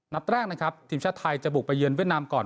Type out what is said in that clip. นัดแรกนะครับทีมชาติไทยจะบุกไปเยือนเวียดนามก่อน